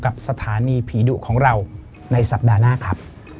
สถานีผีดุของเราในสัปดาห์หน้าครับ